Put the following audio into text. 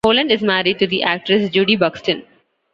Holland is married to the actress Judy Buxton.